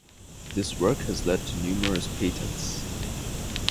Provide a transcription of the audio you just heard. This work has led to numerous patents.